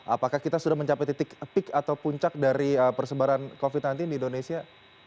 apakah kita sudah mencapai titik peak atau puncak dari persebaran covid sembilan belas di indonesia